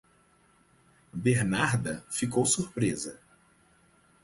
Bernarda ficou surpresa.